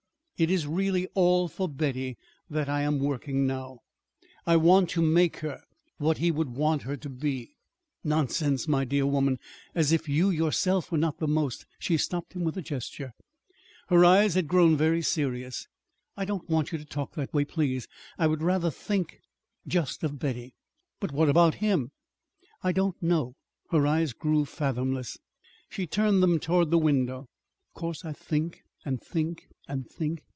It is really all for Betty that I am working now. I want to make her what he would want her to be." "Nonsense, my dear woman! As if you yourself were not the most " She stopped him with a gesture. Her eyes had grown very serious. "I don't want you to talk that way, please. I would rather think just of Betty." "But what about him?" "I don't know." Her eyes grew fathomless. She turned them toward the window. "Of course I think and think and think.